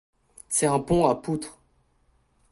C'est un pont à poutres.